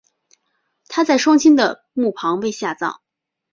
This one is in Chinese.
她在双亲的墓旁被下葬。